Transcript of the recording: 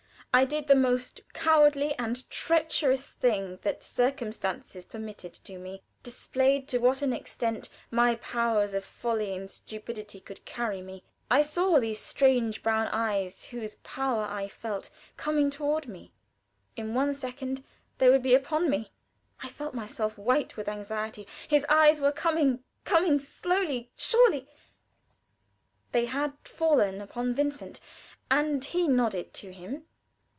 I did the most cowardly and treacherous thing that circumstances permitted to me displayed to what an extent my power of folly and stupidity could carry me. I saw these strange bright eyes, whose power I felt, coming toward me. In one second they would be upon me. I felt myself white with anxiety. His eyes were coming coming slowly, surely. They had fallen upon Vincent, and he nodded to him.